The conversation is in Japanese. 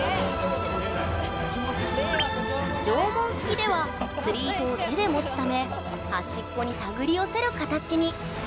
縄文式では釣り糸を手で持つため端っこに手繰り寄せる形に。